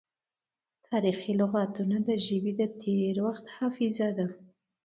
تاریخي لغتونه د ژبې د تیر وخت حافظه ده.